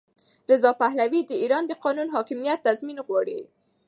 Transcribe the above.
رضا پهلوي د ایران د قانون حاکمیت تضمین غواړي.